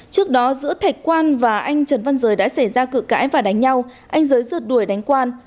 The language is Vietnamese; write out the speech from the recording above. trước đó giữa thạch quan và anh trần văn rời đã xảy ra cự cãi và đánh nhau anh giới rượt đuổi đánh quan